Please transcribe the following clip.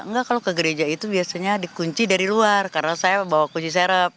enggak kalau ke gereja itu biasanya dikunci dari luar karena saya bawa kunci serep